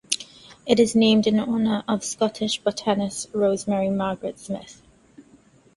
It is named in honor of Scottish botanist Rosemary Margaret Smith.